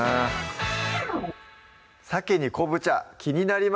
さけに昆布茶気になります